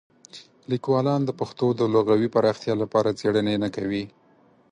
لیکوالان د پښتو د لغوي پراختیا لپاره څېړنې نه کوي.